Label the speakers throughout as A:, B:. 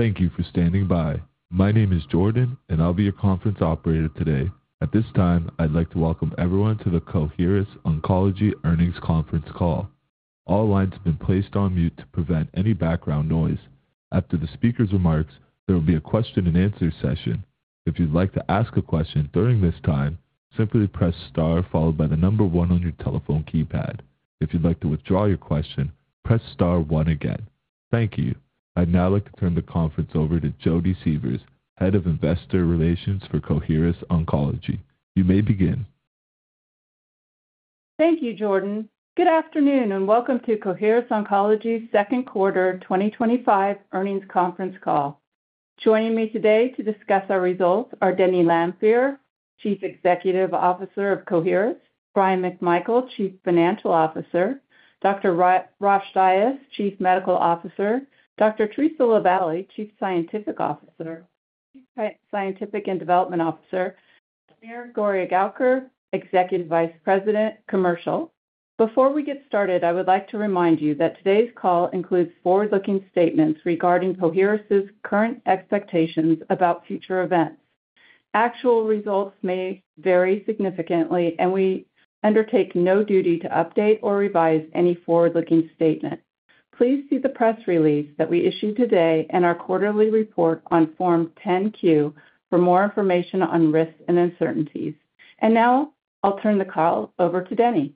A: Thank you for standing by. My name is Jordan, and I'll be your conference operator today. At this time, I'd like to welcome everyone to the Coherus Oncology Earnings Conference Call. All lines have been placed on mute to prevent any background noise. After the speaker's remarks, there will be a question and answer session. If you'd like to ask a question during this time, simply press star followed by the number one on your telephone keypad. If you'd like to withdraw your question, press star one again. Thank you. I'd now like to turn the conference over to Jodi Sievers, Head of Investor Relations for Coherus Oncology. You may begin.
B: Thank you, Jordan. Good afternoon and welcome to Coherus Oncology' Second Quarter 2025 Earnings Conference Call. Joining me today to discuss our results are Denny Lanfear, Chief Executive Officer of Coherus, Bryan McMichael, Chief Financial Officer, Dr. Rosh Dias, Chief Medical Officer, Dr. Theresa Lavallee, Chief Scientific Officer, Chief Scientific and Development Officer, and Samir Gargalker, Executive Vice President, Commercial. Before we get started, I would like to remind you that today's call includes forward-looking statements regarding Coherus this current expectations about future events. Actual results may vary significantly, and we undertake no duty to update or revise any forward-looking statement. Please see the press release that we issued today and our quarterly report on Form 10-Q for more information on risks and uncertainties. I'll turn the call over to Denny.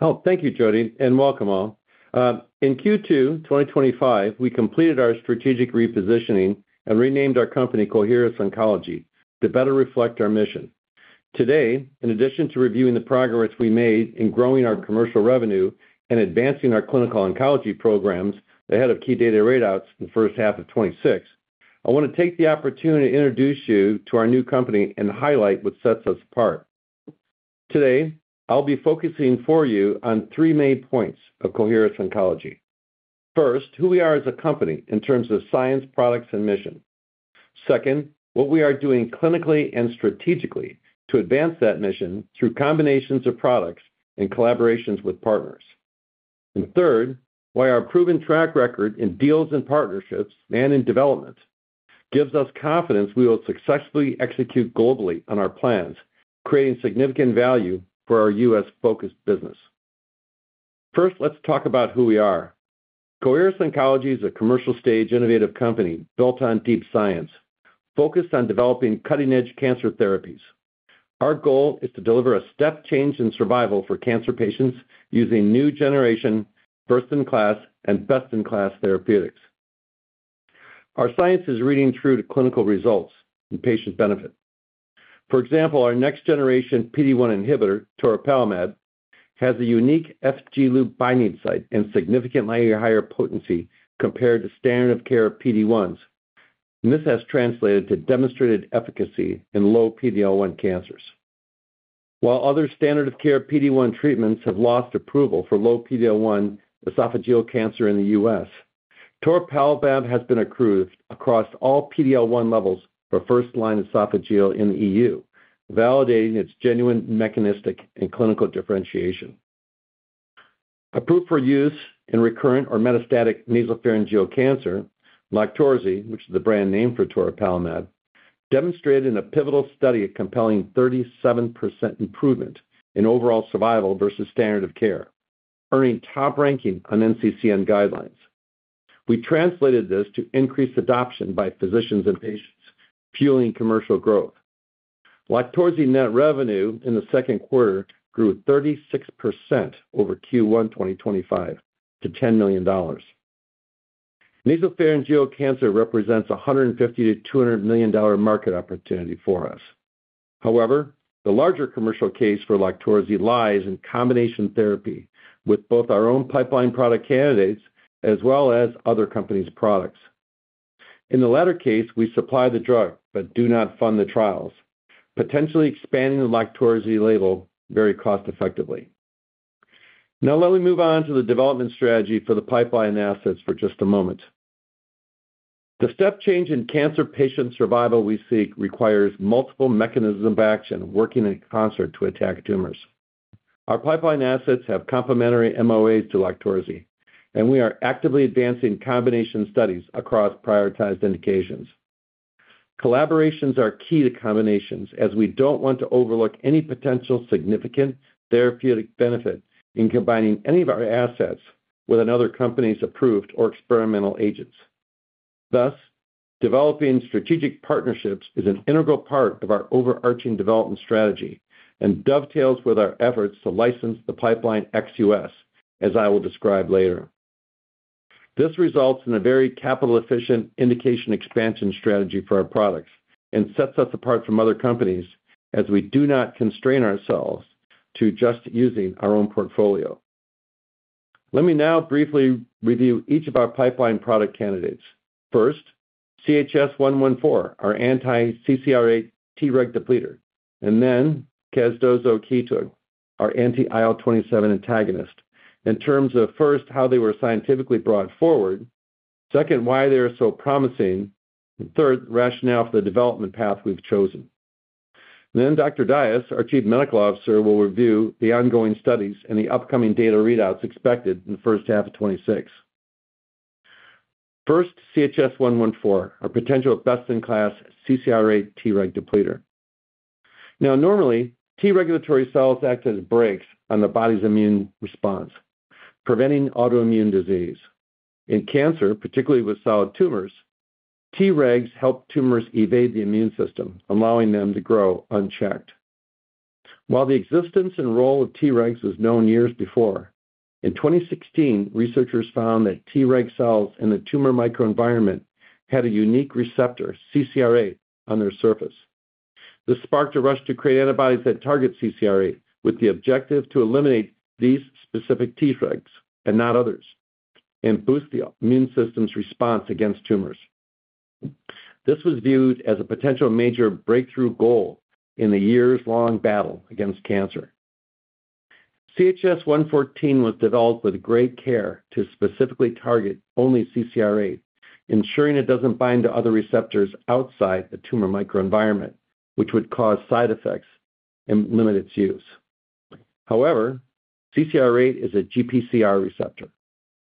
C: Oh, thank you, Jodi, and welcome all. In Q2 2025, we completed our strategic repositioning and renamed our company, Coherus Oncology, to better reflect our mission. Today, in addition to reviewing the progress we made in growing our commercial revenue and advancing our clinical oncology programs ahead of key data readouts in the first half of 2026, I want to take the opportunity to introduce you to our new company and highlight what sets us apart. Today, I'll be focusing for you on three main points of Coherus Oncology. First, who we are as a company in terms of science, products, and mission. Second, what we are doing clinically and strategically to advance that mission through combinations of products and collaborations with partners. Third, why our proven track record in deals and partnerships and in development gives us confidence we will successfully execute globally on our plans, creating significant value for our U.S-focused business. First, let's talk about who we are. Coherus Oncology is a commercial-stage innovative company built on deep science, focused on developing cutting-edge cancer therapies. Our goal is to deliver a step change in survival for cancer patients using new generation, first-in-class, and best-in-class therapeutics. Our science is reading true to clinical results and patient benefit. For example, our next-generation PD-1 inhibitor, Torepelimab, has a unique FGlu binding site and significantly higher potency compared to standard-of-care PD-1s. This has translated to demonstrated efficacy in low PD-L1 cancers. While other standard-of-care PD-1 treatments have lost approval for low PD-L1 esophageal cancer in the U.S., Torepelimab has been approved across all PD-L1 levels for first-line esophageal in the EU, validating its genuine mechanistic and clinical differentiation. Approved for use in recurrent or metastatic nasopharyngeal cancer, Loqtorzi, which is the brand name for Torepelimab, demonstrated in a pivotal study a compelling 37% improvement in overall survival versus standard of care, earning top ranking on NCCN guidelines. We translated this to increased adoption by physicians and patients, fueling commercial growth. Loqtorzi's net revenue in the second quarter grew 36% over Q1 2025 to $10 million. Nasopharyngeal cancer represents a $150-$200 million market opportunity for us. However, the larger commercial case for Loqtorzi lies in combination therapy with both our own pipeline product candidates as well as other companies' products. In the latter case, we supply the drug but do not fund the trials, potentially expanding the Loqtorzi label very cost-effectively. Now, let me move on to the development strategy for the pipeline assets for just a moment. The step change in cancer patient survival we seek requires multiple mechanisms of action working in concert to attack tumors. Our pipeline assets have complementary MOAs to Loqtorzi, and we are actively advancing combination studies across prioritized indications. Collaborations are key to combinations as we don't want to overlook any potential significant therapeutic benefit in combining any of our assets with another company's approved or experimental agents. Thus, developing strategic partnerships is an integral part of our overarching development strategy and dovetails with our efforts to license the pipeline XUS, as I will describe later. This results in a very capital-efficient indication expansion strategy for our products and sets us apart from other companies as we do not constrain ourselves to just using our own portfolio. Let me now briefly review each of our pipeline product candidates. First, CHS-114, our anti-CCR8 Treg depleter, and then KAZD-1221, our anti-IL-27 antagonist, in terms of first how they were scientifically brought forward, second why they are so promising, and third the rationale for the development path we've chosen. Then Dr. Dias, our Chief Medical Officer, will review the ongoing studies and the upcoming data readouts expected in the first half of 2026. First, CHS-114, our potential best-in-class CCR8 Treg depleter. Now, normally, T regulatory cells act as brakes on the body's immune response, preventing autoimmune disease. In cancer, particularly with solid tumors, Tregs help tumors evade the immune system, allowing them to grow unchecked. While the existence and role of Tregs was known years before, in 2016, researchers found that Treg cells in the tumor microenvironment had a unique receptor, CCR8, on their surface. This sparked a rush to create antibodies that target CCR8 with the objective to eliminate these specific Tregs and not others and boost the immune system's response against tumors. This was viewed as a potential major breakthrough goal in a years-long battle against cancer. CHS-114 was developed with great care to specifically target only CCR8, ensuring it doesn't bind to other receptors outside the tumor microenvironment, which would cause side effects and limit its use. However, CCR8 is a GPCR receptor,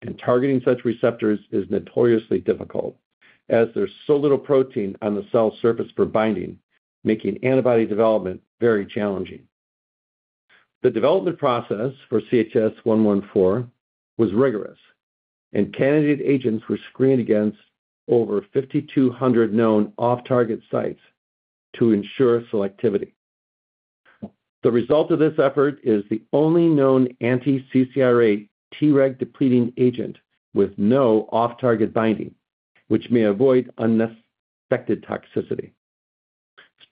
C: and targeting such receptors is notoriously difficult as there's so little protein on the cell surface for binding, making antibody development very challenging. The development process for CHS-114 was rigorous, and candidate agents were screened against over 5,200 known off-target sites to ensure selectivity. The result of this effort is the only known anti-CCR8 Treg-depleting agent with no off-target binding, which may avoid unexpected toxicity.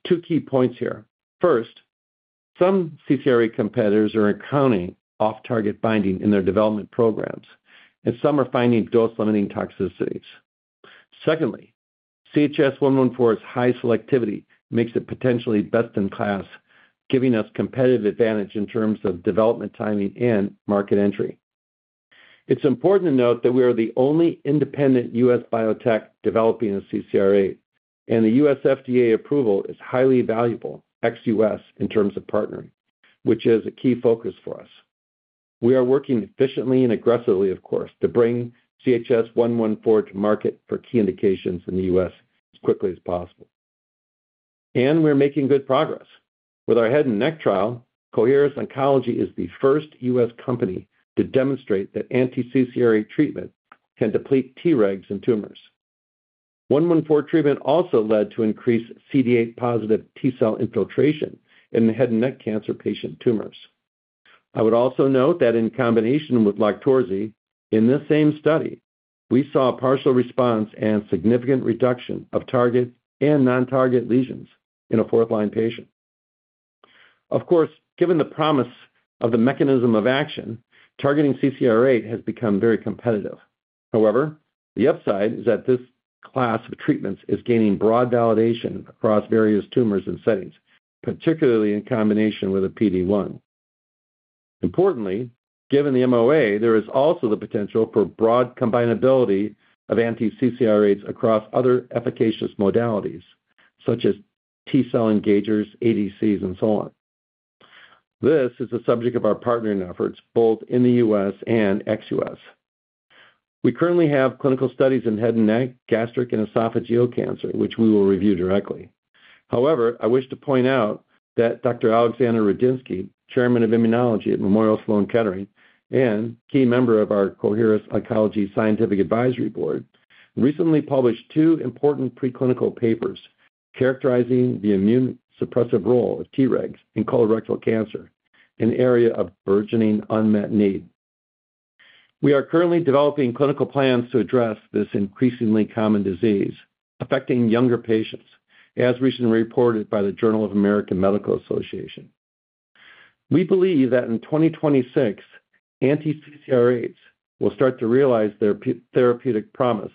C: Two key points here. First, some CCR8 competitors are encountering off-target binding in their development programs, and some are finding dose-limiting toxicities. Secondly, CHS-114's high selectivity makes it potentially best-in-class, giving us competitive advantage in terms of development timing and market entry. It's important to note that we are the only independent U.S. biotech developing a CCR8, and the U.S. FDA approval is highly valuable, XUS, in terms of partnering, which is a key focus for us. We are working efficiently and aggressively, of course, to bring CHS-114 to market for key indications in the U.S. as quickly as possible. We are making good progress. With our head-and-neck trial, Coherus Oncology is the first U.S. company to demonstrate that anti-CCR8 treatment can deplete Tregs in tumors. CHS-114 treatment also led to increased CD8-positive T cell infiltration in head-and-neck cancer patient tumors. I would also note that in combination with Loqtorzi, in this same study, we saw a partial response and significant reduction of target and non-target lesions in a fourth-line patient. Given the promise of the mechanism of action, targeting CCR8 has become very competitive. The upside is that this class of treatments is gaining broad validation across various tumors and settings, particularly in combination with a PD-1. Importantly, given the MOA, there is also the potential for broad combinability of anti-CCR8s across other efficacious modalities, such as T cell engagers, ADCs, and so on. This is the subject of our partnering efforts both in the U.S. and XUS. We currently have clinical studies in head-and-neck, gastric, and esophageal cancer, which we will review directly. However, I wish to point out that Dr. Alexander Radinsky, Chairman of Immunology at Memorial Sloan Kettering and key member of our Coherus Oncology Scientific Advisory Board, recently published two important preclinical papers characterizing the immune suppressive role of Tregs in colorectal cancer, an area of burgeoning unmet need. We are currently developing clinical plans to address this increasingly common disease affecting younger patients, as recently reported by the Journal of the American Medical Association. We believe that in 2026, anti-CCR8s will start to realize their therapeutic promise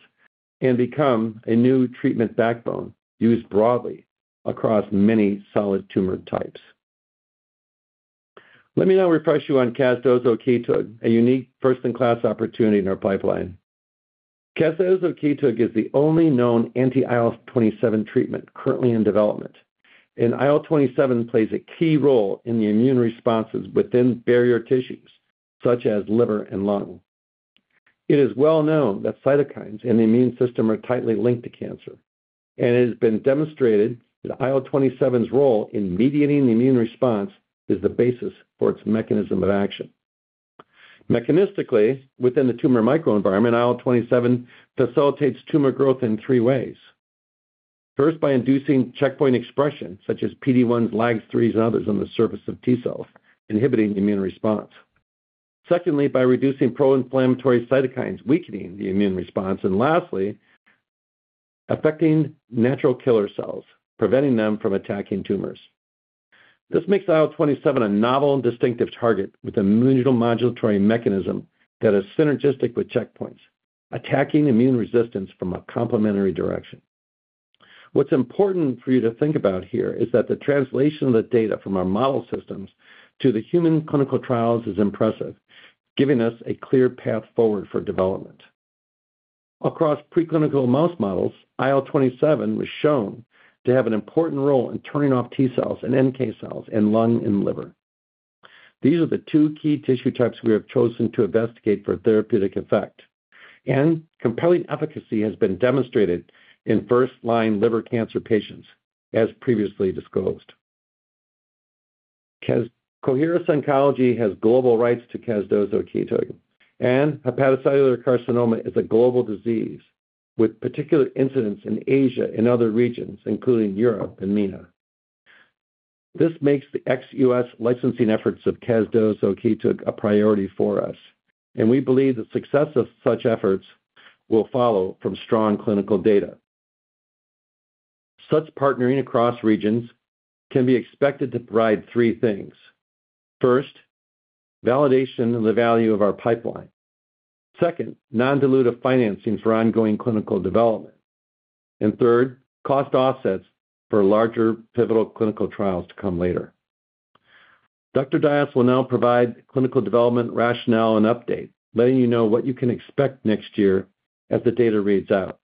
C: and become a new treatment backbone used broadly across many solid tumor types. Let me now refresh you on KAZD-1221, a unique first-in-class opportunity in our pipeline. KAZD-1221 is the only known anti-IL-27 treatment currently in development, and IL-27 plays a key role in the immune responses within barrier tissues, such as liver and lung. It is well known that cytokines in the immune system are tightly linked to cancer, and it has been demonstrated that IL-27's role in mediating the immune response is the basis for its mechanism of action. Mechanistically, within the tumor microenvironment, IL-27 facilitates tumor growth in three ways. First, by inducing checkpoint expression such as PD-1s, LAG3s, and others on the surface of T cells, inhibiting the immune response. Secondly, by reducing pro-inflammatory cytokines, weakening the immune response, and lastly, affecting natural killer cells, preventing them from attacking tumors. This makes IL-27 a novel and distinctive target with an immunomodulatory mechanism that is synergistic with checkpoints, attacking immune resistance from a complementary direction. What's important for you to think about here is that the translation of the data from our model systems to the human clinical trials is impressive, giving us a clear path forward for development. Across preclinical mouse models, IL-27 was shown to have an important role in turning off T cells and NK cells in lung and liver. These are the two key tissue types we have chosen to investigate for therapeutic effect, and compelling efficacy has been demonstrated in first-line liver cancer patients, as previously disclosed. Coherus Oncology has global rights to KAZD-1221, and hepatocellular carcinoma is a global disease with particular incidence in Asia and other regions, including Europe and MENA, which makes the XUS licensing efforts of KAZD-1221 a priority for us. We believe the success of such efforts will follow from strong clinical data. Such partnering across regions can be expected to provide three things. First, validation of the value of our pipeline. Second, non-dilutive financing for ongoing clinical development. Third, cost offsets for larger pivotal clinical trials to come later. Dr. Dias will now provide clinical development rationale and updates, letting you know what you can expect next year as the data reads out.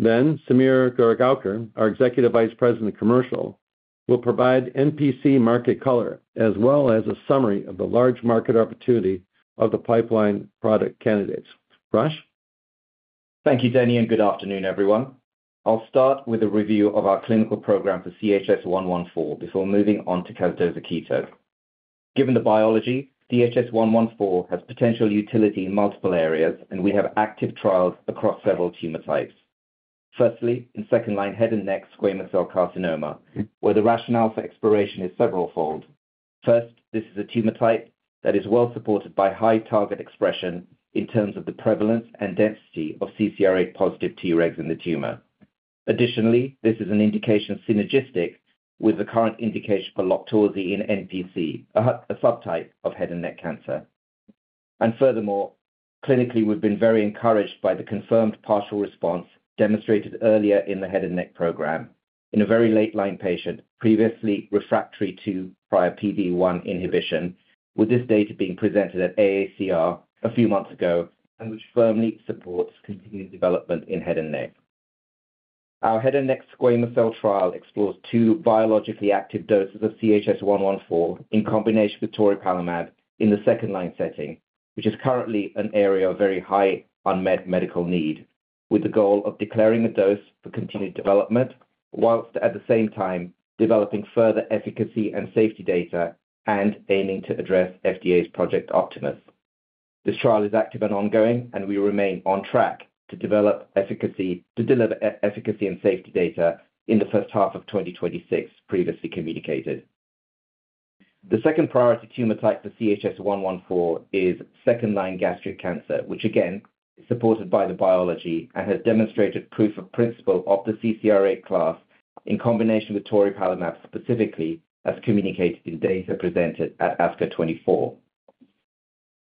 C: Samir Gargalker, our Executive Vice President of Commercial, will provide NPC market color as well as a summary of the large market opportunity of the pipeline product candidates.
D: Thank you, Denny, and good afternoon, everyone. I'll start with a review of our clinical program for CHS-114 before moving on to KAZD-1221. Given the biology, CHS-114 has potential utility in multiple areas, and we have active trials across several tumor types. Firstly, in second-line head-and-neck squamous cell carcinoma, where the rationale for exploration is several-fold. First, this is a tumor type that is well supported by high target expression in terms of the prevalence and density of CCR8-positive Tregs in the tumor. Additionally, this is an indication synergistic with the current indication for Loqtorzi in NPC, a subtype of head-and-neck cancer. Furthermore, clinically, we've been very encouraged by the confirmed partial response demonstrated earlier in the head-and-neck program in a very late-line patient, previously refractory to prior PD-1 inhibition, with this data being presented at AACR a few months ago, which firmly supports continued development in head and neck. Our head-and-neck squamous cell trial explores two biologically active doses of CHS-114 in combination with Torepelimab in the second-line setting, which is currently an area of very high unmet medical need, with the goal of declaring a dose for continued development, whilst at the same time developing further efficacy and safety data and aiming to address FDA's Project Optimus. This trial is active and ongoing, and we remain on track to deliver efficacy and safety data in the first half of 2026, as previously communicated. The second priority tumor type for CHS-114 is second-line gastric cancer, which again is supported by the biology and has demonstrated proof of principle of the CCR8 class in combination with Torepelimab specifically, as communicated in data presented at ASCO 2024.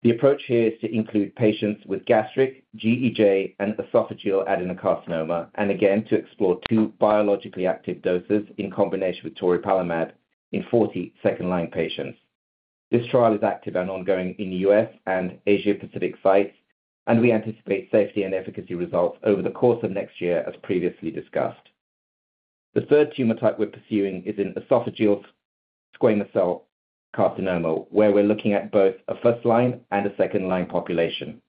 D: The approach here is to include patients with gastric, GEJ, and esophageal adenocarcinoma, and again to explore two biologically active doses in combination with Torepelimab in 40 second-line patients. This trial is active and ongoing in the U.S. and Asia-Pacific sites, and we anticipate safety and efficacy results over the course of next year, as previously discussed. The third tumor type we're pursuing is esophageal squamous cell carcinoma, where we're looking at both a first-line and a second-line population.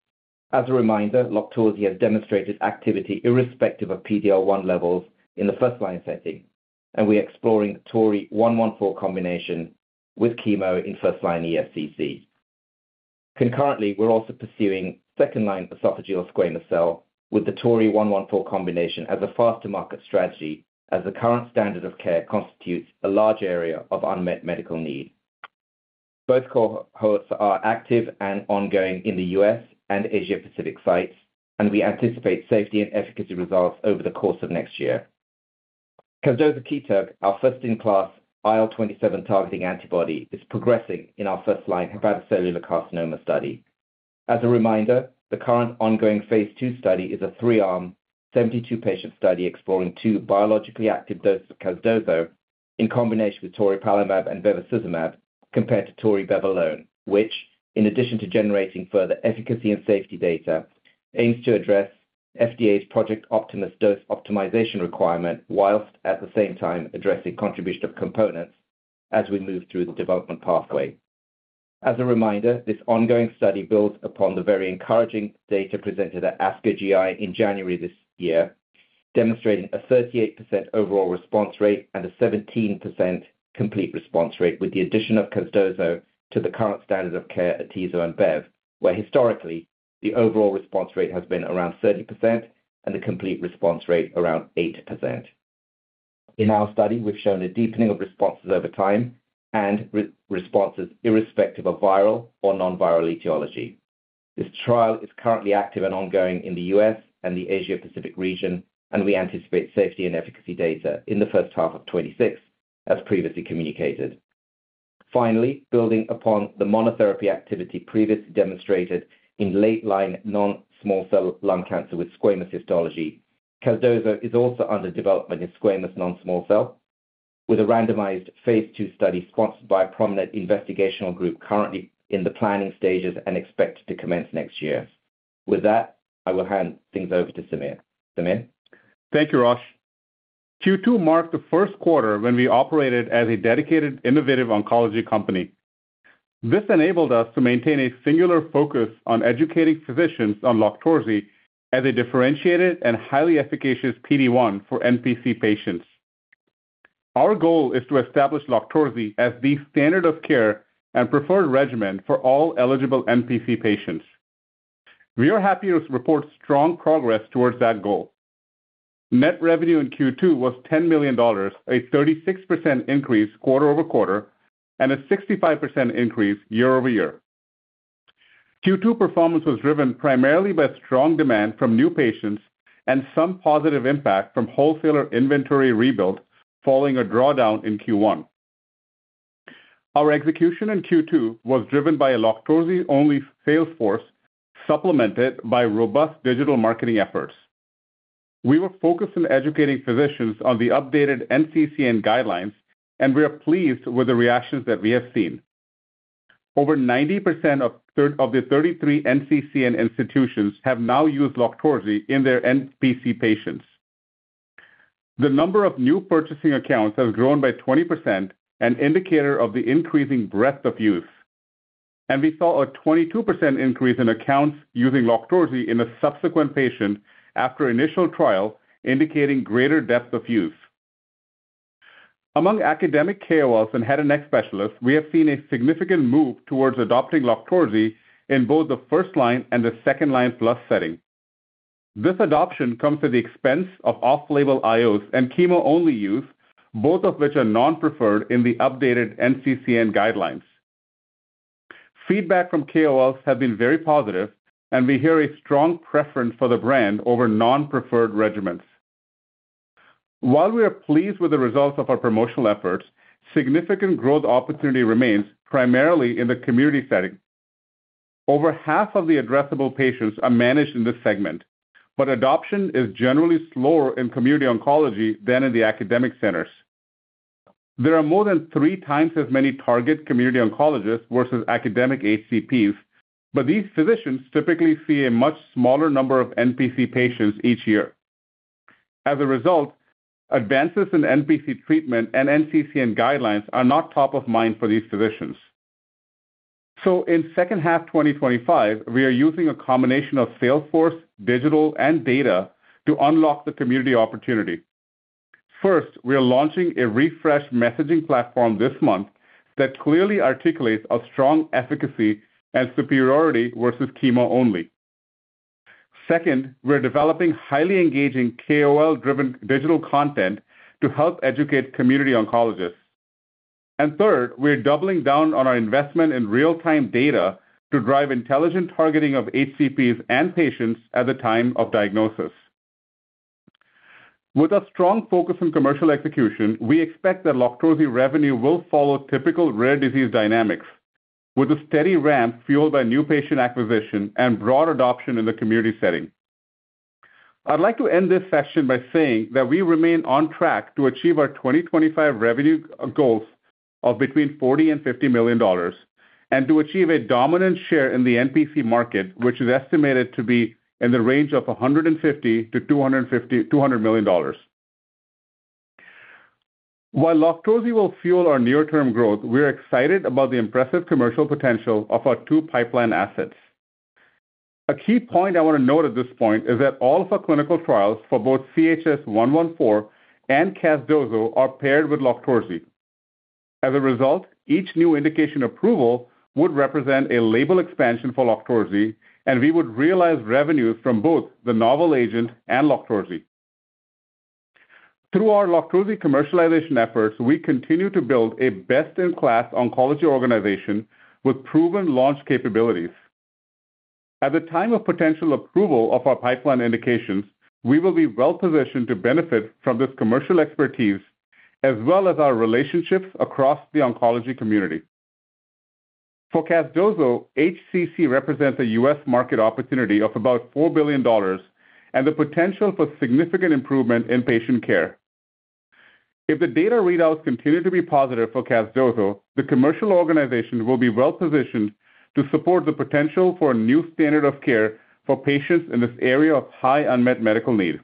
D: As a reminder, Loqtorzi has demonstrated activity irrespective of PD-L1 levels in the first-line setting, and we're exploring the Tori-114 combination with chemo in first-line EFCC. Concurrently, we're also pursuing second-line esophageal squamous cell with the Tori-114 combination as a faster market strategy, as the current standard of care constitutes a large area of unmet medical need. Both cohorts are active and ongoing in the U.S. and Asia-Pacific sites, and we anticipate safety and efficacy results over the course of next year. KAZD-1221, our first-in-class IL-27 targeting antibody, is progressing in our first-line hepatocellular carcinoma study. As a reminder, the current ongoing phase II study is a three-arm, 72-patient study exploring two biologically active doses of KAZD-1221 in combination with Loqtorzi and bevacizumab compared to Tori-Beva alone, which, in addition to generating further efficacy and safety data, aims to address FDA's Project Optimus dose optimization requirement, whilst at the same time addressing contribution of components as we move through the development pathway. As a reminder, this ongoing study builds upon the very encouraging data presented at ASCO GI in January this year, demonstrating a 38% overall response rate and a 17% complete response rate with the addition of KAZD-1221 to the current standard of care at Tizo and Bev, where historically the overall response rate has been around 30% and the complete response rate around 8%. In our study, we've shown a deepening of responses over time and responses irrespective of viral or non-viral etiology. This trial is currently active and ongoing in the U.S. and the Asia-Pacific region, and we anticipate safety and efficacy data in the first half of 2026, as previously communicated. Finally, building upon the monotherapy activity previously demonstrated in late-line non-small cell lung cancer with squamous histology, KAZD-1221 is also under development in squamous non-small cell with a randomized phase II study sponsored by a prominent investigational group currently in the planning stages and expected to commence next year. With that, I will hand things over to Samir.
E: Thank you, Rosh. Q2 marked the first quarter when we operated as a dedicated, innovative oncology company. This enabled us to maintain a singular focus on educating physicians on Loqtorzi as a differentiated and highly efficacious PD-1 for NPC patients. Our goal is to establish Loqtorzi as the standard of care and preferred regimen for all eligible NPC patients. We are happy to report strong progress towards that goal. Net revenue in Q2 was $10 million, a 36% increase quarter over quarter and a 65% increase year over year. Q2 performance was driven primarily by strong demand from new patients and some positive impact from wholesaler inventory rebuild following a drawdown in Q1. Our execution in Q2 was driven by a Loqtorzi-only sales force, supplemented by robust digital marketing efforts. We were focused on educating physicians on the updated NCCN guidelines, and we are pleased with the reactions that we have seen. Over 90% of the 33 NCCN institutions have now used Loqtorzi in their NPC patients. The number of new purchasing accounts has grown by 20%, an indicator of the increasing breadth of use. We saw a 22% increase in accounts using Loqtorzi in a subsequent patient after initial trial, indicating greater depth of use. Among academic KOLs and head-and-neck specialists, we have seen a significant move towards adoptingLoqtorzi in both the first-line and the second-line plus setting. This adoption comes at the expense of off-label IOs and chemo-only use, both of which are non-preferred in the updated NCCN guidelines. Feedback from KOLs has been very positive, and we hear a strong preference for the brand over non-preferred regimens. While we are pleased with the results of our promotional efforts, significant growth opportunity remains primarily in the community setting. Over half of the addressable patients are managed in this segment, but adoption is generally slower in community oncology than in the academic centers. There are more than three times as many target community oncologists versus academic HCPs, but these physicians typically see a much smaller number of NPC patients each year. As a result, advances in NPC treatment and NCCN guidelines are not top of mind for these physicians. In second half 2025, we are using a combination of sales force, digital, and data to unlock the community opportunity. First, we are launching a refreshed messaging platform this month that clearly articulates our strong efficacy and superiority versus chemo only. Second, we're developing highly engaging KOL-driven digital content to help educate community oncologists. Third, we're doubling down on our investment in real-time data to drive intelligent targeting of HCPs and patients at the time of diagnosis. With a strong focus on commercial execution, we expect that Loqtorzi revenue will follow typical rare disease dynamics, with a steady ramp fueled by new patient acquisition and broad adoption in the community setting. I'd like to end this session by saying that we remain on track to achieve our 2025 revenue goals of between $40 and $50 million and to achieve a dominant share in the NPC market, which is estimated to be in the range of $150-$200 million. While Loqtorzi will fuel our near-term growth, we are excited about the impressive commercial potential of our two pipeline assets. A key point I want to note at this point is that all of our clinical trials for both CHS-114 and KAZD-1221 are paired with Loqtorzi. As a result, each new indication approval would represent a label expansion for Loqtorzi, and we would realize revenues from both the novel agent and Loqtorzi. Through our Loqtorzi commercialization efforts, we continue to build a best-in-class oncology organization with proven launch capabilities. At the time of potential approval of our pipeline indications, we will be well positioned to benefit from this commercial expertise as well as our relationships across the oncology community. For KAZD-1221, HCC represents a U.S. market opportunity of about $4 billion and the potential for significant improvement in patient care. If the data readouts continue to be positive for KAZD-1221, the commercial organization will be well positioned to support the potential for a new standard of care for patients in this area of high unmet medical need.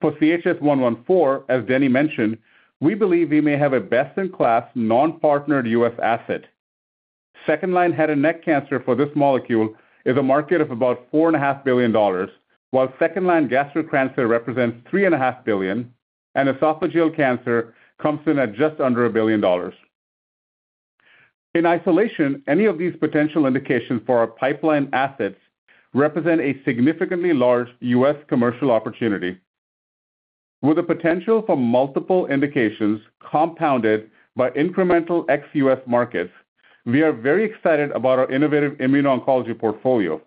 E: For CHS-114, as Denny Lanfear mentioned, we believe we may have a best-in-class non-partnered U.S. asset. Second-line head-and-neck cancer for this molecule is a market of about $4.5 billion, while second-line gastric cancer represents $3.5 billion, and esophageal cancer comes in at just under $1 billion. In isolation, any of these potential indications for our pipeline assets represent a significantly large U.S. commercial opportunity. With the potential for multiple indications compounded by incremental XUS markets, we are very excited about our innovative immuno-oncology portfolio.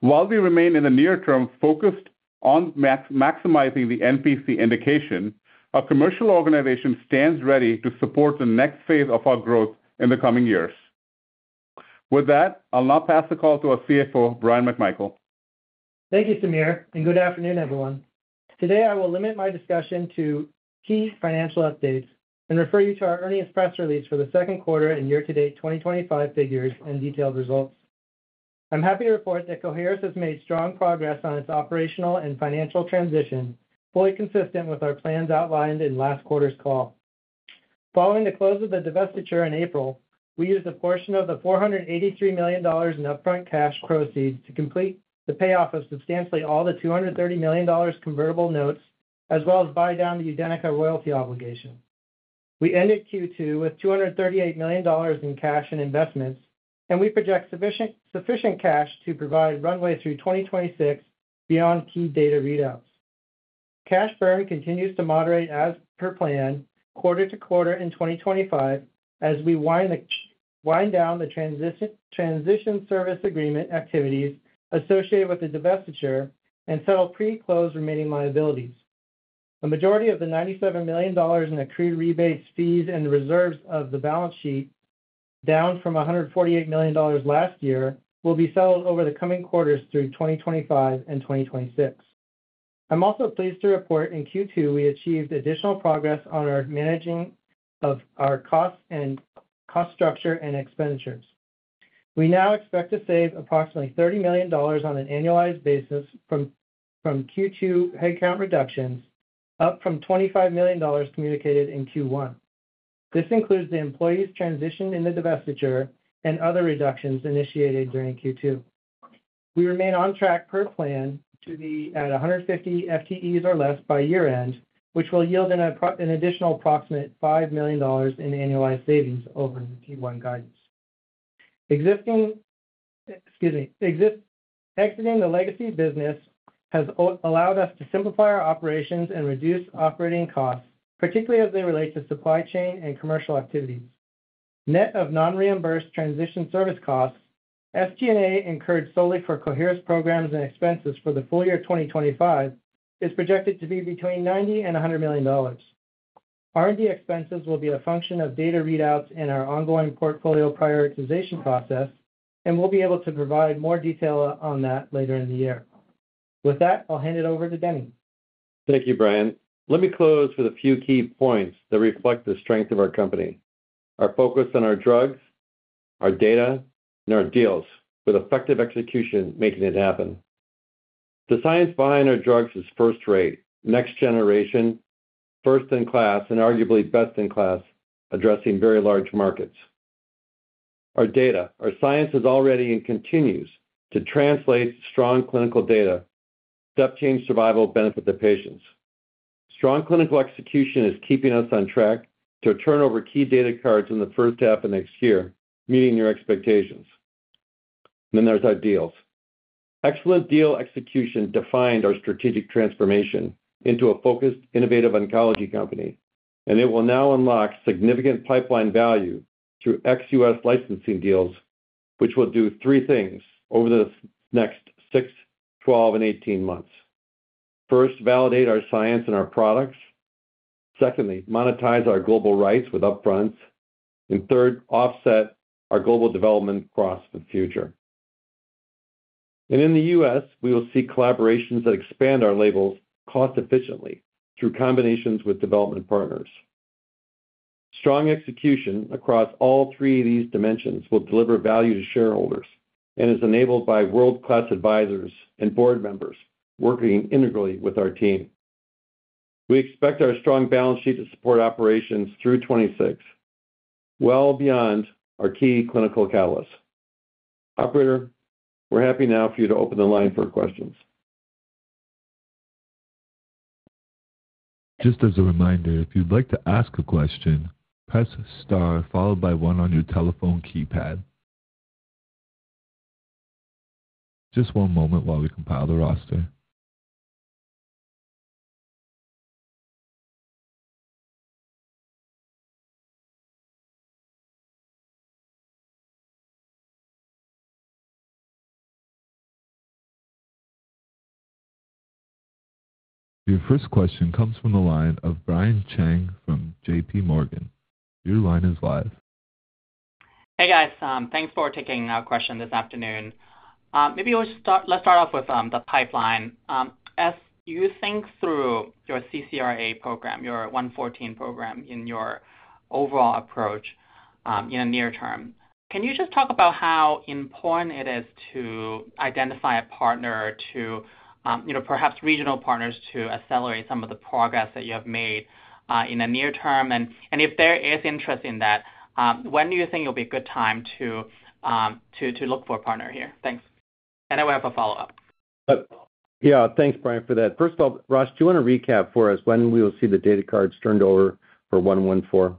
E: While we remain in the near term focused on maximizing the NPC indication, our commercial organization stands ready to support the next phase of our growth in the coming years. With that, I'll now pass the call to our CFO, Bryan McMichael.
F: Thank you, Samir, and good afternoon, everyone. Today, I will limit my discussion to key financial updates and refer you to our earnings press release for the second quarter and year-to-date 2025 figures and detailed results. I'm happy to report that Coherus has made strong progress on its operational and financial transition, fully consistent with our plans outlined in last quarter's call. Following the close of the divestiture in April, we used a portion of the $483 million in upfront cash proceeds to complete the payoff of substantially all the $230 million convertible notes, as well as buy down the Udenyca royalty obligation. We ended Q2 with $238 million in cash and investments, and we project sufficient cash to provide runway through 2026 beyond key data readouts. Cash flow continues to moderate as per plan, quarter to quarter in 2025, as we wind down the transition service agreement activities associated with the divestiture and settle pre-close remaining liabilities. A majority of the $97 million in accrued rebates, fees, and the reserves of the balance sheet, down from $148 million last year, will be settled over the coming quarters through 2025 and 2026. I'm also pleased to report in Q2 we achieved additional progress on our management of our cost structure and expenditures. We now expect to save approximately $30 million on an annualized basis from Q2 headcount reductions, up from $25 million communicated in Q1. This includes the employees' transition in the divestiture and other reductions initiated during Q2. We remain on track per plan to be at 150 FTEs or less by year-end, which will yield an additional approximate $5 million in annualized savings over Q1 guidance. Exiting the legacy business has allowed us to simplify our operations and reduce operating costs, particularly as they relate to supply chain and commercial activity. Net of non-reimbursed transition service costs, SG&A incurred solely for Coherus programs and expenses for the full year 2025, is projected to be between $90 and $100 million. R&D expenses will be a function of data readouts in our ongoing portfolio prioritization process, and we'll be able to provide more detail on that later in the year. With that, I'll hand it over to Denny.
C: Thank you, Bryan. Let me close with a few key points that reflect the strength of our company: our focus on our drugs, our data, and our deals, with effective execution making it happen. The science behind our drugs is first-rate, next-generation, first-in-class, and arguably best-in-class, addressing very large markets. Our data, our science, is already and continues to translate strong clinical data to upchange survival benefit the patients. Strong clinical execution is keeping us on track to turn over key data cards in the first half of next year, meeting your expectations. There's our deals. Excellent deal execution defined our strategic transformation into a focused, innovative oncology company, and it will now unlock significant pipeline value through XUS licensing deals, which will do three things over the next six, 12, and 18 months. First, validate our science and our products. Secondly, monetize our global rights with upfronts. Third, offset our global development costs for the future. In the U.S., we will see collaborations that expand our labels cost-efficiently through combinations with development partners. Strong execution across all three of these dimensions will deliver value to shareholders and is enabled by world-class advisors and board members working integrally with our team. We expect our strong balance sheet to support operations through 2026, well beyond our key clinical catalysts. Operator, we're happy now for you to open the line for questions.
A: Just as a reminder, if you'd like to ask a question, press star followed by one on your telephone keypad. Just one moment while we compile the roster. Your first question comes from the line of Brian Chang from JPMorgan. Your line is live.
G: Hey, guys. Thanks for taking a question this afternoon. Maybe let's start off with the pipeline. As you think through your CHS-114 program and your overall approach in the near term, can you just talk about how important it is to identify a partner, you know, perhaps regional partners to accelerate some of the progress that you have made in the near term? If there is interest in that, when do you think it will be a good time to look for a partner here? Thanks. I will have a follow-up.
C: Yeah, thanks, Brian, for that. First of all, Rosh, do you want to recap for us when we will see the data cards turned over for CHS-114?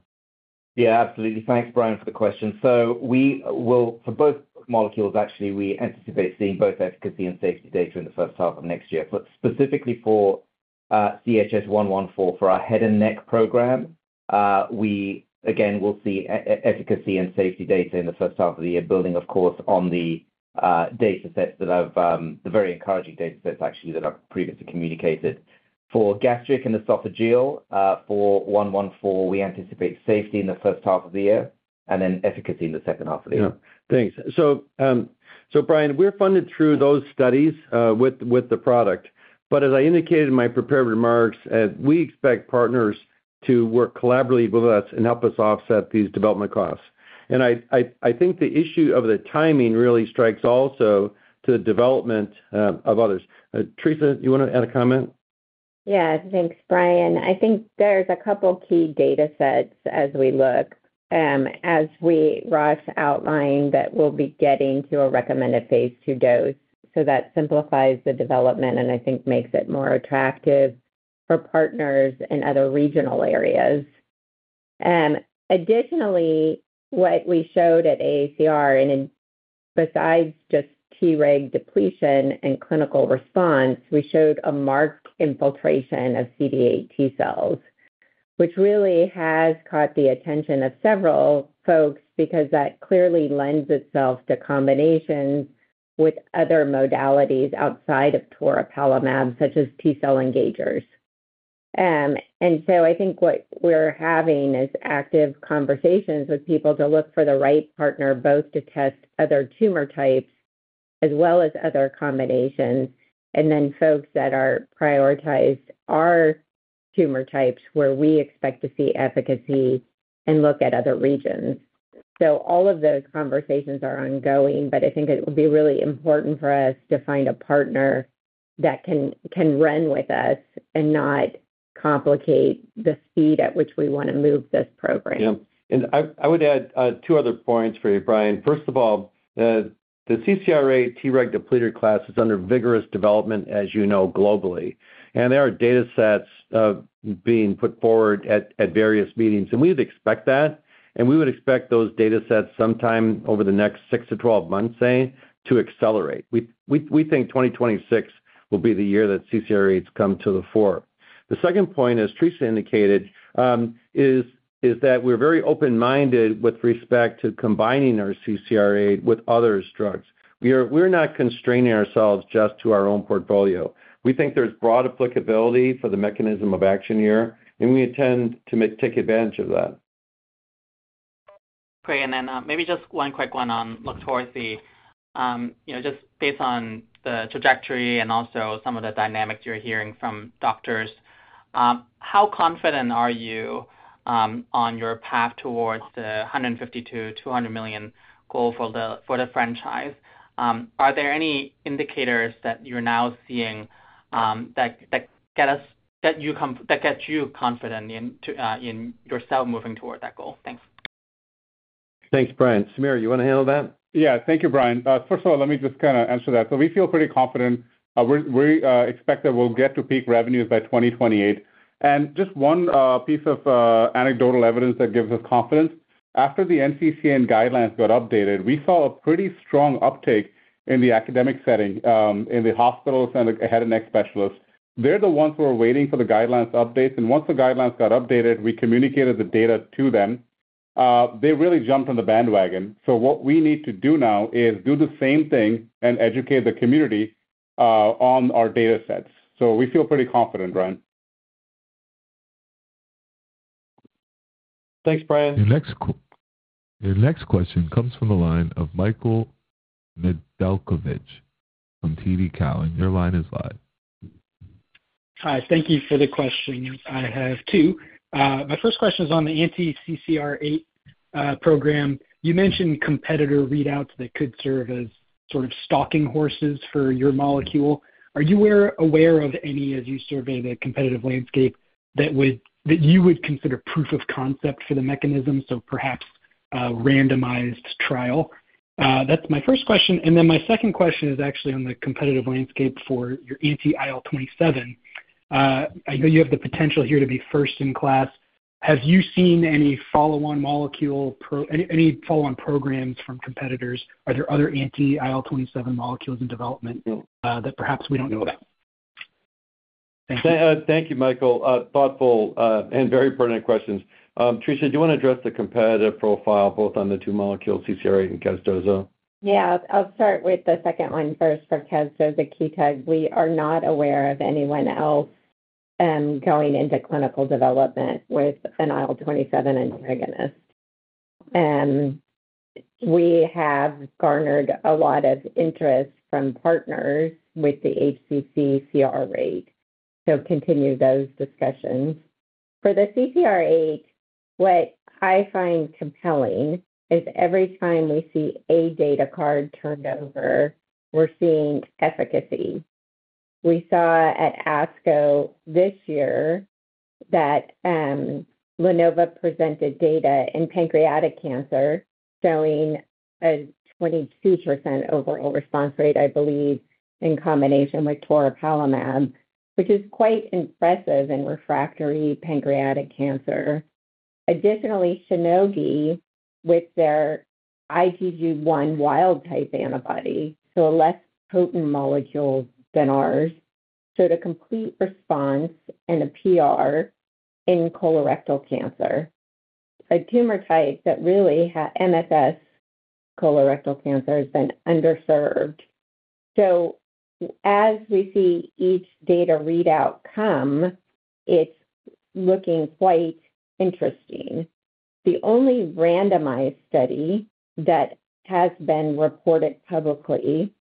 D: Yeah, absolutely. Thanks, Brian, for the question. We will, for both molecules, actually, we anticipate seeing both efficacy and safety data in the first half of next year. Specifically for CHS-114, for our head-and-neck program, we again will see efficacy and safety data in the first half of the year, building, of course, on the data sets that I've, the very encouraging data sets, actually, that I've previously communicated. For gastric and esophageal, for CHS-114, we anticipate safety in the first half of the year and then efficacy in the second half of the year.
C: Thanks. Brian, we're funded through those studies with the product. As I indicated in my prepared remarks, we expect partners to work collaboratively with us and help us offset these development costs. I think the issue of the timing really strikes also to the development of others. Theresa, you want to add a comment?
H: Yeah, thanks, Brian. I think there's a couple of key data sets as we look. As Rosh outlined, that we'll be getting to a recommended phase II dose. That simplifies the development and I think makes it more attractive for partners in other regional areas. Additionally, what we showed at AACR, and besides just Treg depletion and clinical response, we showed a marked infiltration of CD8 T cells, which really has caught the attention of several folks because that clearly lends itself to combinations with other modalities outside of MOXIRI, such as T cell engagers. I think what we're having is active conversations with people to look for the right partner, both to test other tumor types as well as other combinations, and then folks that are prioritized are tumor types where we expect to see efficacy and look at other regions. All of those conversations are ongoing, but I think it would be really important for us to find a partner that can run with us and not complicate the speed at which we want to move this program.
C: I would add two other points for you, Brian. First of all, the CCR8 Treg depleter class is under vigorous development, as you know, globally. There are data sets being put forward at various meetings, and we would expect that. We would expect those data sets sometime over the next six to 12 months to accelerate. We think 2026 will be the year that CCR8s come to the fore. The second point, as Theresa indicated, is that we're very open-minded with respect to combining our CCR8 with other drugs. We're not constraining ourselves just to our own portfolio. We think there's broad applicability for the mechanism of action here, and we intend to take advantage of that.
G: Great. Maybe just one quick one on Loqtorzi. Just based on the trajectory and also some of the dynamics you're hearing from doctors, how confident are you on your path towards the $152 million-$200 million goal for the franchise? Are there any indicators that you're now seeing that get you confident in yourself moving toward that goal? Thanks.
C: Thanks, Brian. Samir, you want to handle that?
E: Yeah, thank you, Brian. First of all, let me just kind of answer that. We feel pretty confident. We expect that we'll get to peak revenues by 2028. One piece of anecdotal evidence that gives us confidence: after the NCCN guidelines got updated, we saw a pretty strong uptick in the academic setting in the hospitals and head-and-neck specialists. They're the ones who are waiting for the guidelines to update. Once the guidelines got updated, we communicated the data to them. They really jumped on the bandwagon. What we need to do now is do the same thing and educate the community on our data sets. We feel pretty confident, Brian.
C: Thanks, Brian.
A: Your next question comes from the line of Michael Nedelcovych from TD Cowen, and your line is live.
I: Hi, thank you for the question. I have two. My first question is on the anti-CCR8 program. You mentioned competitor readouts that could serve as sort of stalking horses for your molecule. Are you aware of any, as you survey the competitive landscape, that you would consider proof of concept for the mechanism, so perhaps a randomized trial? That's my first question. My second question is actually on the competitive landscape for your anti-IL-27. I know you have the potential here to be first-in-class. Have you seen any follow-on molecule, any follow-on programs from competitors? Are there other anti-IL-27 molecules in development that perhaps we don't know about?
C: Thank you, Michael. Thoughtful and very pertinent questions. Theresa, do you want to address the competitive profile both on the two molecules, CHS-114 and KAZD-1221?
H: Yeah, I'll start with the second one first for KAZD-1221. We are not aware of anyone else going into clinical development with an IL-27 antagonist. We have garnered a lot of interest from partners with the CHS-114. Continue those discussions. For the CCR8, what I find compelling is every time we see a data card turned over, we're seeing efficacy. We saw at ASCO this year that Lenova presented data in pancreatic cancer showing a 22% overall response rate, I believe, in combination with MOXIRI, which is quite impressive in refractory pancreatic cancer. Additionally, Shionogi, with their IgG1 wild type antibody, so a less potent molecule than ours, showed a complete response and a PR in colorectal cancer, a tumor type that really had MFS colorectal cancer has been underserved. As we see each data readout come, it's looking quite interesting. The only randomized study that has been reported publicly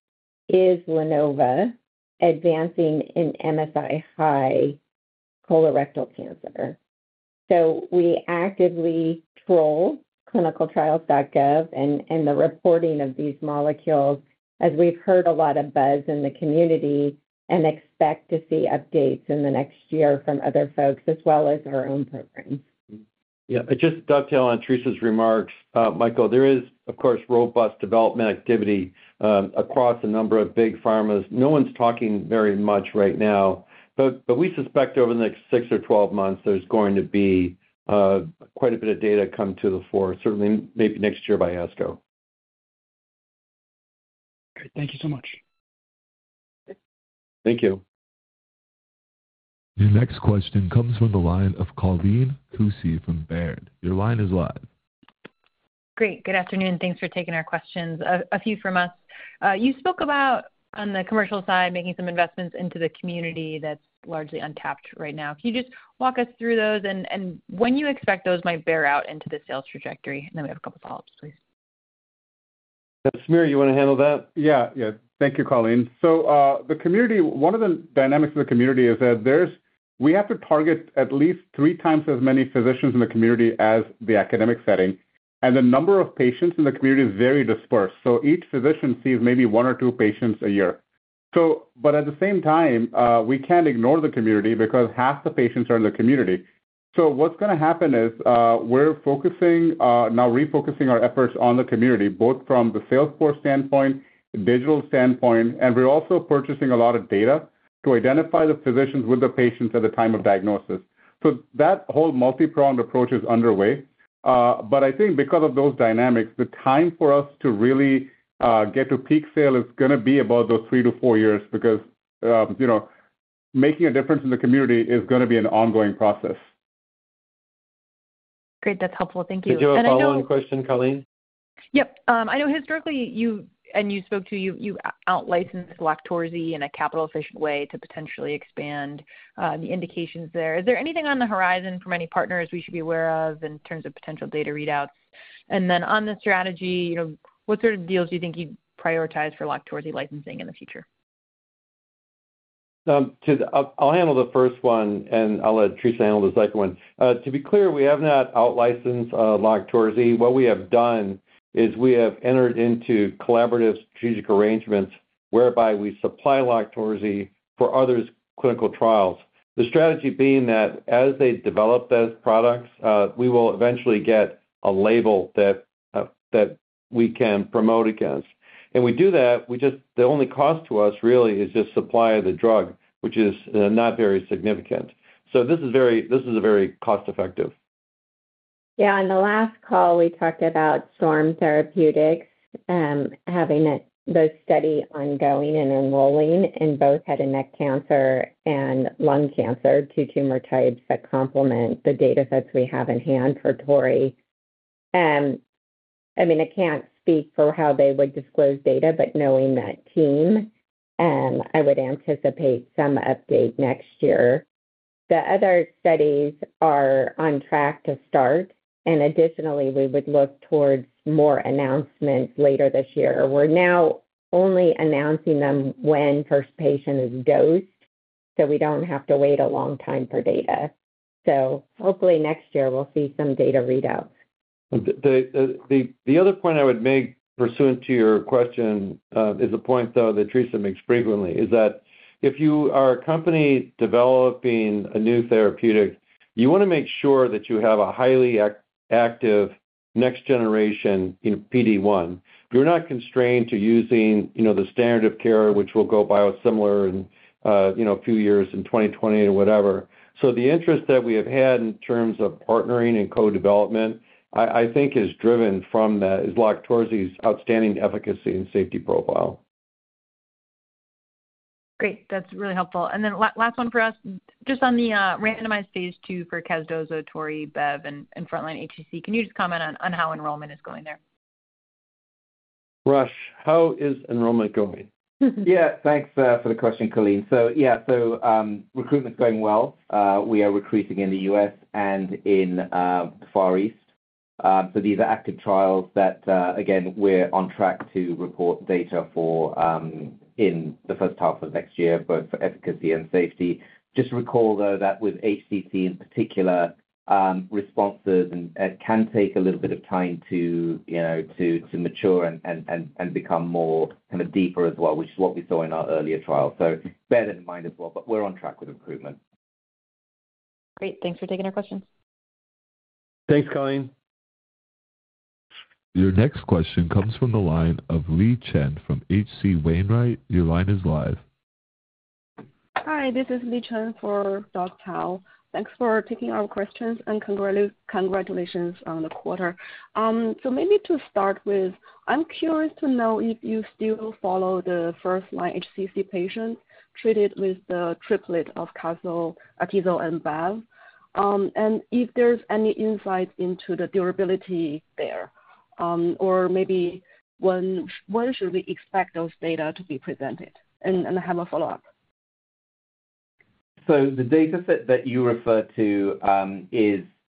H: is Lenova advancing in MSI high colorectal cancer. We actively troll clinicaltrials.gov and the reporting of these molecules as we've heard a lot of buzz in the community and expect to see updates in the next year from other folks as well as our own program.
C: Yeah, I just dovetail on Theresa's remarks, Michael. There is, of course, robust development activity across a number of big pharmas. No one's talking very much right now. We suspect over the next 6 or 12 months, there's going to be quite a bit of data come to the fore, certainly maybe next year by ASCO.
I: Great, thank you so much.
C: Thank you. Your next question comes from the line of Colleen Kusey from Baird. Your line is live.
J: Great. Good afternoon. Thanks for taking our questions. A few from us. You spoke about, on the commercial side, making some investments into the community that's largely untapped right now. Can you just walk us through those and when you expect those might bear out into the sales trajectory? We have a couple of follow-ups, please.
C: Samir, you want to handle that?
E: Thank you, Colleen. The community, one of the dynamics of the community is that we have to target at least three times as many physicians in the community as the academic setting. The number of patients in the community is very dispersed. Each physician sees maybe one or two patients a year. At the same time, we can't ignore the community because half the patients are in the community. What's going to happen is we're focusing, now refocusing our efforts on the community, both from the sales force standpoint, the digital standpoint, and we're also purchasing a lot of data to identify the physicians with the patients at the time of diagnosis. That whole multipronged approach is underway. I think because of those dynamics, the time for us to really get to peak sale is going to be about those three to four years because making a difference in the community is going to be an ongoing process.
J: Great, that's helpful. Thank you.
C: Do you have a follow-on question, Colleen?
J: I know historically you, and you spoke to, you out-licensed Loqtorzi in a capital-efficient way to potentially expand the indications there. Is there anything on the horizon from any partners we should be aware of in terms of potential data readouts? On the strategy, you know, what sort of deals do you think you'd prioritize for Loqtorzi licensing in the future?
C: I'll handle the first one, and I'll let Theresa handle the second one. To be clear, we have not out-licensed Loqtorzi. What we have done is we have entered into collaborative strategic arrangements whereby we supply Loqtorzi for others' clinical trials. The strategy being that as they develop those products, we will eventually get a label that we can promote against. We do that. The only cost to us really is just supply of the drug, which is not very significant. This is very, this is a very cost-effective.
H: Yeah, on the last call, we talked about Storm Therapeutics having those studies ongoing and enrolling in both head-and-neck cancer and lung cancer, two tumor types that complement the data sets we have in hand for Tori. I mean, I can't speak for how they would disclose data, but knowing that team, I would anticipate some update next year. The other studies are on track to start. Additionally, we would look towards more announcements later this year. We're now only announcing them when first patient is dosed, so we don't have to wait a long time for data. Hopefully next year, we'll see some data readouts.
C: The other point I would make pursuant to your question is the point, though, that Theresa makes frequently, is that if you are a company developing a new therapeutic, you want to make sure that you have a highly active next-generation PD-1. You're not constrained to using the standard of care, which will go biosimilar in a few years, in 2020 or whatever. The interest that we have had in terms of partnering and co-development, I think, is driven from that, is Loqtorzi's outstanding efficacy and safety profile.
J: Great, that's really helpful. Last one for us, just on the randomized phase II for KAZD-1221, Tori, Bev, and front-line HCC, can you just comment on how enrollment is going there?
C: Rosh, how is enrollment going?
D: Yeah, thanks for the question, Colleen. Recruitment is going well. We are recruiting in the U.S. and in the Far East. These are active trials that we're on track to report data for in the first half of next year, both for efficacy and safety. Just to recall, though, that with HCC in particular, responses can take a little bit of time to mature and become more kind of deeper as well, which is what we saw in our earlier trial. Bear that in mind as well. We're on track with improvement.
J: Great, thanks for taking our questions.
C: Thanks, Colleen.
A: Your next question comes from the line of Li Chen from H.C. Wainwright. Your line is live.
K: Hi, this is Li Chen for DockTow. Thanks for taking our questions and congratulations on the quarter. I'm curious to know if you still follow the first-line HCC patients treated with the triplet of KAZD-1221 and Bev, and if there's any insight into the durability there, or maybe when should we expect those data to be presented? I have a follow-up.
D: The data set that you refer to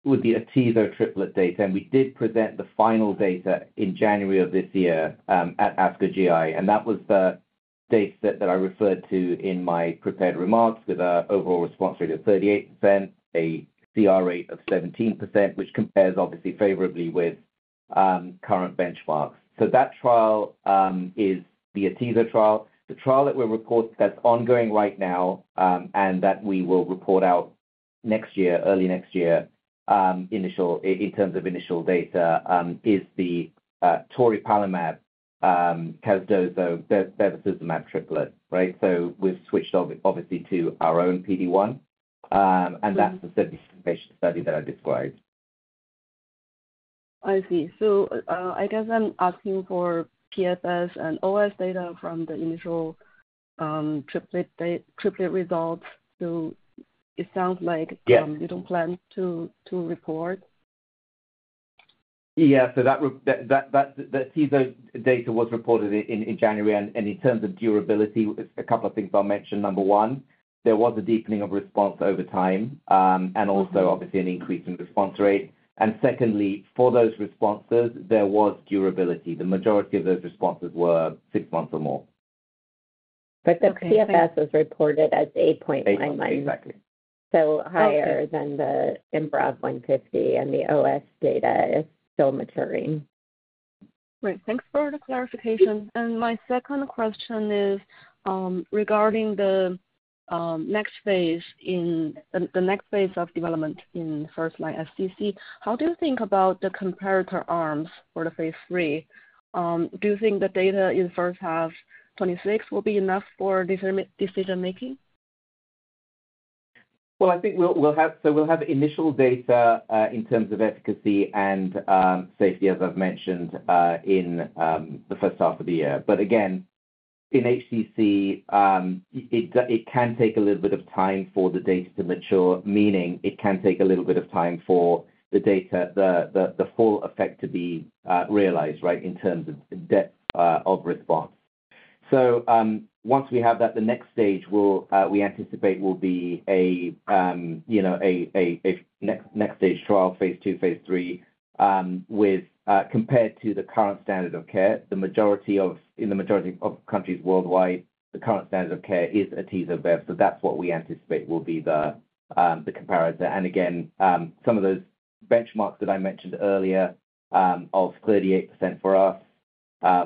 D: would be Azizo triplet data, and we did present the final data in January of this year at ASCO GI, and that was the data set that I referred to in my prepared remarks with an overall response rate of 38%, a CR rate of 17%, which compares obviously favorably with current benchmarks. That trial is the Azizo trial. The trial that we're recording that's ongoing right now and that we will report out next year, early next year, in terms of initial data is the Toripelimab KAZD-1221 bevacizumab triplet. We've switched obviously to our own PD-1, and that's the surgery patient study that I described.
K: I see. I guess I'm asking for PFS and OS data from the initial triplet results. It sounds like you don't plan to report.
D: Yeah, so that KAZD-1221 data was reported in January, and in terms of durability, a couple of things I'll mention. Number one, there was a deepening of response over time, and also obviously an increase in response rate. Secondly, for those responses, there was durability. The majority of those responses were six months or more.
H: The PFS was reported at 8.59.
D: Exactly.
H: Higher than the MRAB 150, and the OS data is still maturing.
K: Great, thanks for the clarification. My second question is regarding the next phase of development in first-line SDC. How do you think about the comparator arms for the phase III? Do you think the data in the first half of 2026 will be enough for decision-making?
D: I think we'll have initial data in terms of efficacy and safety, as I've mentioned, in the first half of the year. In HCC, it can take a little bit of time for the data to mature, meaning it can take a little bit of time for the full effect to be realized in terms of depth of response. Once we have that, the next stage we anticipate will be a next-stage trial, phase II, phase III, compared to the current standard of care. The majority of countries worldwide have the current standard of care as Atezo-Bev. That's what we anticipate will be the comparator. Some of those benchmarks that I mentioned earlier are 38% for our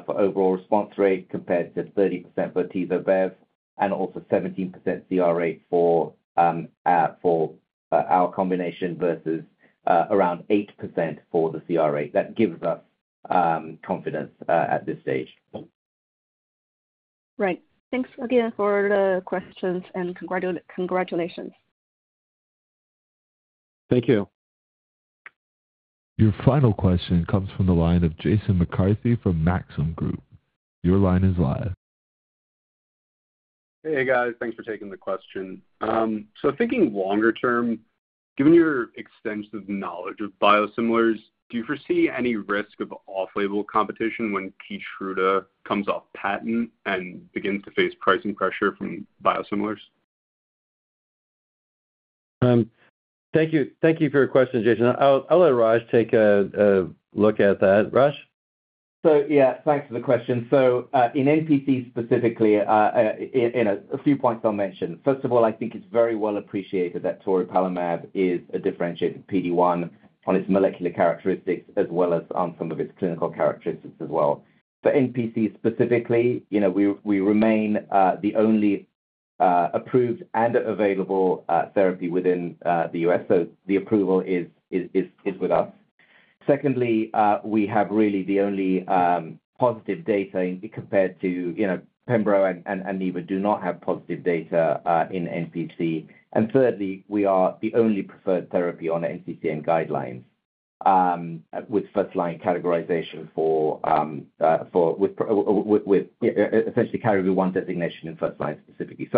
D: overall response rate compared to 30% for Atezo-Bev and also 17% CR rate for our combination versus around 8% for the CR rate. That gives us confidence at this stage.
K: Right. Thanks again for the questions and congratulations.
C: Thank you.
A: Your final question comes from the line of Jason McCarthy from Maxim Group. Your line is live.
L: Hey, guys. Thanks for taking the question. Thinking longer term, given your extensive knowledge of biosimilars, do you foresee any risk of off-label competition when Keytruda comes off patent and begins to face pricing pressure from biosimilars?
C: Thank you. Thank you for your question, Jason. I'll let Rosh take a look at that. Rosh?
D: Thank you for the question. In NPC specifically, a few points I'll mention. First of all, I think it's very well appreciated that Loqtorzi is a differentiated PD-1 on its molecular characteristics as well as on some of its clinical characteristics as well. For NPC specifically, we remain the only approved and available therapy within the U.S. The approval is with us. Secondly, we have really the only positive data compared to, you know, Pembrolizumab and Nivolumab do not have positive data in NPC. Thirdly, we are the only preferred therapy on NCCN guideline with first-line categorization for, essentially, category one designation in first-line specifically.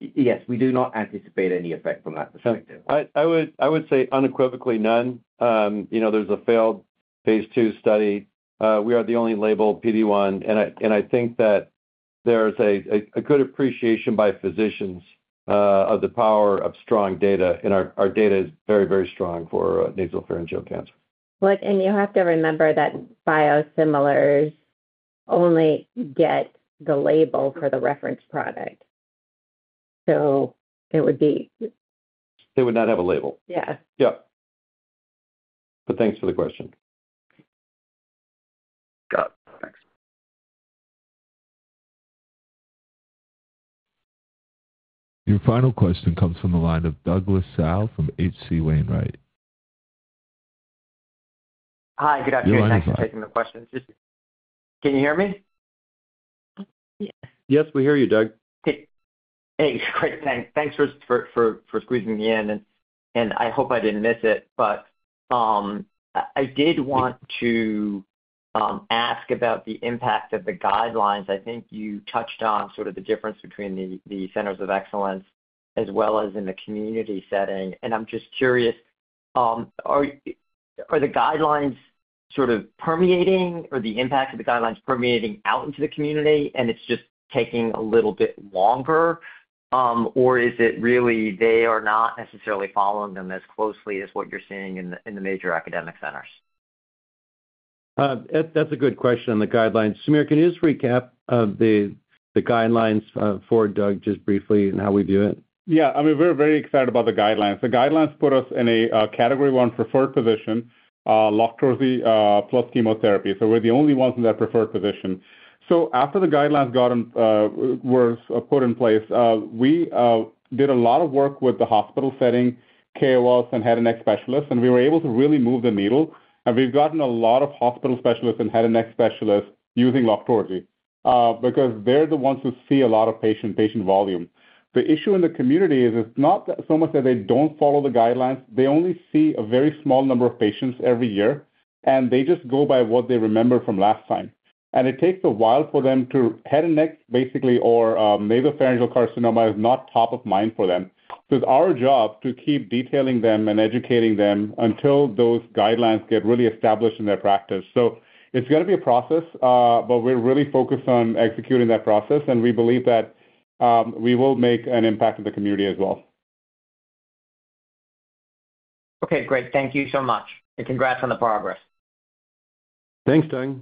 D: We do not anticipate any effect from that perspective.
C: I would say unequivocally none. You know, there's a failed phase II study. We are the only labeled PD-1, and I think that there's a good appreciation by physicians of the power of strong data, and our data is very, very strong for nasopharyngeal cancer.
H: You have to remember that biosimilars only get the label for the reference product. It would be.
C: They would not have a label.
H: Yeah.
C: Yeah Thank you for the question.
L: Got it. Thanks.
A: Your final question comes from the line of Douglas Tsao from H.C. Wainwright.
M: Hi, good afternoon. Thanks for taking the question. Can you hear me?
C: Yes, we hear you, Doug.
M: Hey, great. Thanks for pleasing me in, and I hope I didn't miss it. I did want to ask about the impact of the guidelines. I think you touched on sort of the difference between the centers of excellence as well as in the community setting. I'm just curious, are you, are the guidelines sort of permeating or the impact of the guidelines permeating out into the community and it's just taking a little bit longer? Or is it really they are not necessarily following them as closely as what you're seeing in the major academic centers?
C: That's a good question, the guidelines. Samir, can you just recap the guidelines for Doug just briefly and how we view it?
E: Yeah, I mean, we're very excited about the guidelines. The guidelines put us in a category one preferred position, Loqtorzi plus chemotherapy. We're the only ones in that preferred position. After the guidelines were put in place, we did a lot of work with the hospital setting, KOLs, and head-and-neck specialists, and we were able to really move the needle. We've gotten a lot of hospital specialists and head-and-neck specialists using Loqtorzi because they're the ones who see a lot of patient volume. The issue in the community is it's not so much that they don't follow the guidelines. They only see a very small number of patients every year, and they just go by what they remember from last time. It takes a while for them to head-and-neck, basically, or nasopharyngeal carcinoma is not top of mind for them. It's our job to keep detailing them and educating them until those guidelines get really established in their practice. It's going to be a process, but we're really focused on executing that process, and we believe that we will make an impact in the community as well.
M: Okay, great. Thank you so much, and congrats on the progress.
C: Thanks, Doug.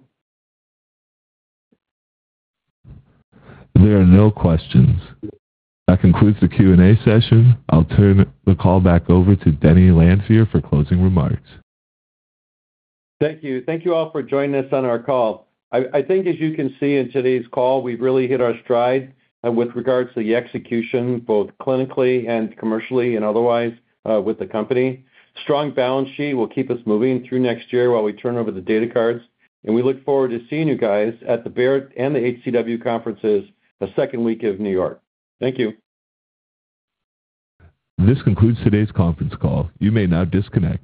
A: There are no questions. That concludes the Q&A session. I'll turn the call back over to Denny Lanfear for closing remarks.
C: Thank you. Thank you all for joining us on our call. I think, as you can see in today's call, we've really hit our stride with regards to the execution, both clinically and commercially and otherwise with the company. Strong balance sheet will keep us moving through next year while we turn over the data cards, and we look forward to seeing you guys at the Baird and the HCW conferences the second week of New York. Thank you. This concludes today's conference call. You may now disconnect.